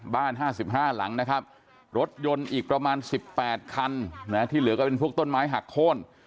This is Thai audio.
บ้าน๕๕หลังนะครับรถยนต์อีกประมาณ๑๘คันที่เหลือก็เป็นพวกต้นไม้หักโค้น